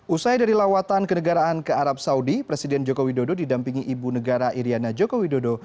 usai dari lawatan kenegaraan ke arab saudi presiden jokowi dodo didampingi ibu negara iryana jokowi dodo